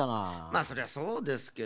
まっそりゃそうですけど。